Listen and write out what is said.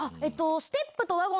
ステップワゴン？